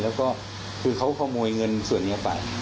แล้วก็คือเขาขโมยเงินส่วนนี้ไป